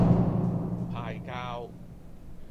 派膠